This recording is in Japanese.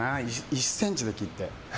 １ｃｍで切って。